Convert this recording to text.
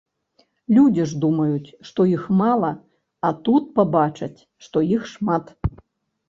Людзі ж думаюць, што іх мала, а тут пабачаць, што іх шмат.